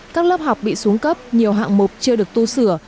các lớp học bị xuống cấp nhiều hạng mục chưa được tu sửa